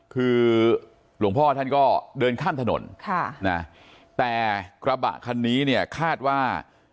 คือหลวงพ่อท่านก็เดินข้ามถนนแต่กระบะคันนี้เนี่ยคาดว่า